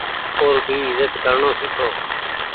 او ر ڀي ايزت ڪرڻو سيکو۔